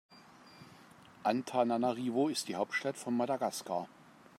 Antananarivo ist die Hauptstadt von Madagaskar.